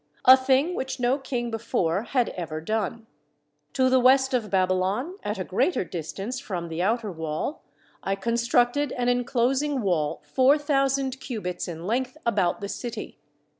A thing which no king before had ever done : To the west of Babylon, at a greater distance from the outer wall, I constructed an enclosing wall four thousand cubits in length about the city.